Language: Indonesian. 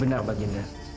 benar pak jendral